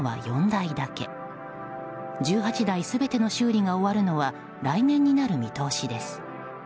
１８台全ての修理が終わるのは来年になる見通しです。